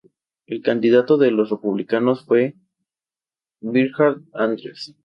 El candidato de Los Republicanos fue Bernhard Andres.